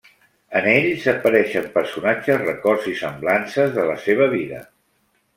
En ells apareixen personatges, records i semblances de la seva vida.